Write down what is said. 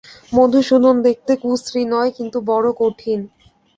মধুসূদন দেখতে কুশ্রী নয় কিন্তু বড়ো কঠিন।